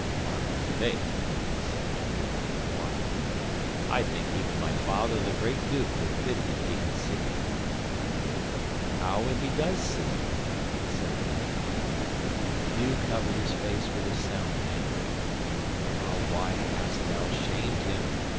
'"My faith!" said Henry after a while. "I think even my Father the Great Duke would pity if he could see him." '"How if he does see?" said Rahere. 'Hugh covered his face with his sound hand. "Ah, why hast thou shamed him?"